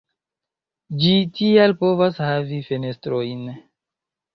Ĝi tial povas havi fenestrojn.